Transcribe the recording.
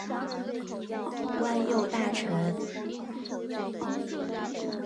官右大臣。